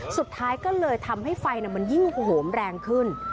สุดท้ายก็เลยทำให้ไฟมันยิ่งโหมแรงขึ้น